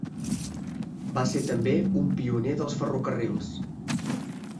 Va ser també un pioner dels ferrocarrils.